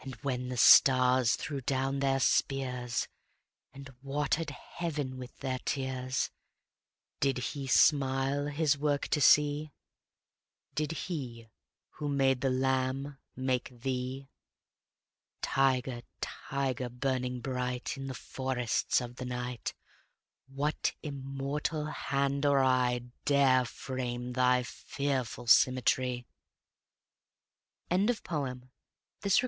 When the stars threw down their spears, And water'd heaven with their tears, Did He smile His work to see? Did He who made the lamb make thee? Tiger, tiger, burning bright In the forests of the night, What immortal hand or eye Dare frame thy fearful symmetry? William Blake. 1757 1827 490.